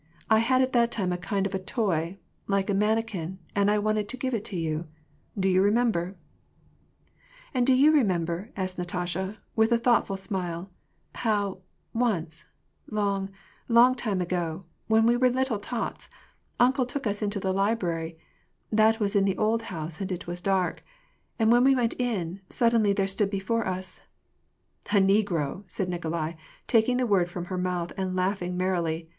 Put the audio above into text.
I had at that time a kind of a toy, like a manikin, and I wanted to give it to you ! Do you remember ?"" And do you remember," asked Natasha, with a thoughtful smile, how, once, long, long time ago, when we were little tots, uncle took us into the library, — that was in the old house and it was dark, — and when we went in, suddenly there stood before us "—" A negro !" said Nikolai, taking the word from her mouth, and laughing merrily.